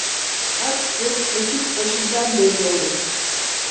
Ak göt geçit başında belli olur.